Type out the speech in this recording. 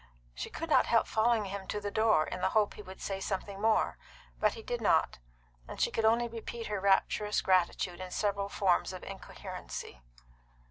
She could not help following him to the door, in the hope that he would say something more, but he did not, and she could only repeat her rapturous gratitude in several forms of incoherency.